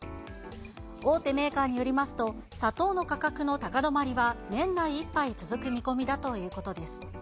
大手メーカーによりますと、砂糖の価格の高止まりは年内いっぱい続く見込みだということです。